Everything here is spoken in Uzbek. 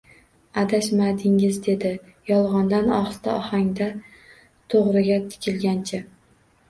-Adashmadingiz, — dedi yolg’ondan ohista ohangda to’g’riga tikilgancha.